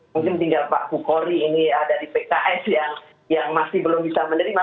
mungkin tinggal pak kukori ini ya dari pks yang masih belum bisa menerima